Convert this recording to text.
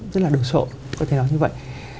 rất là đồ sộ có thể nói như vậy